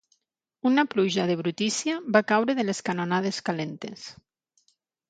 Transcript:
Una pluja de brutícia va caure de les canonades calentes.